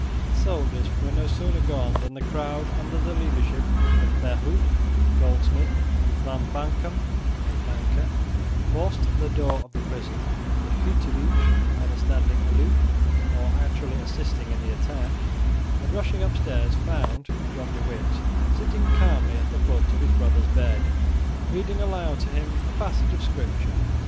The soldiers were no sooner gone than the crowd, under the leadership of Verhoef, a goldsmith, and Van Bankhem, a banker, forced the door of the prison (the schutterij either standing aloof, or actually assisting in the attack), and rushing upstairs found John de Witt sitting calmly at the foot of his brother's bed reading aloud to him a passage of Scripture.